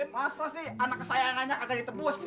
masa sih anak kesayangannya gak akan ditebus